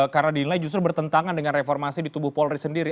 karena dinilai justru bertentangan dengan reformasi di tubuh polri sendiri